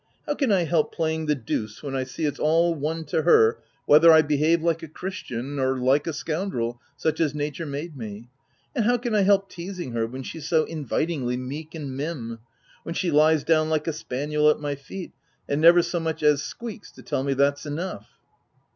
How can I help playing the deuce when I see OF WILDFELL HALL. 261 it's all one to her whether I behave like a christian or like a scoundrel such as nature made me ?— and how can I help teazing her w r hen she's so invitingly meek and mim — when she lies down like a spaniel at my feet and never so much as squeaks to tell me that's enough